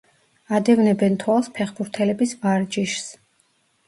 ადევნებენ თვალს ფეხბურთელების ვარჯიშს.